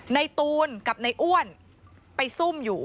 นายตูนกับนายอ้วนไปซุ่มอยู่